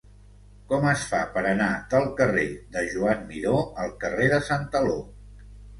Com es fa per anar del carrer de Joan Miró al carrer de Santaló?